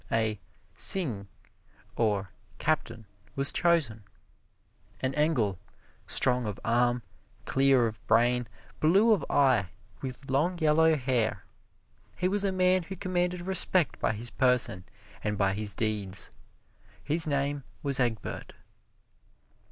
A "Cyng," or captain, was chosen an Engle, strong of arm, clear of brain, blue of eye, with long yellow hair. He was a man who commanded respect by his person and by his deeds. His name was Egbert.